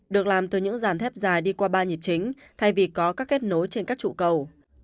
được làm từ những dàn thép dài đi qua ba nhịp chính thay vì có các kết nối trên các trụ cầu